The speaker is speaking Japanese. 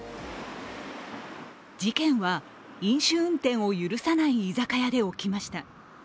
事件は、飲酒運転を許さない居酒屋で起きました。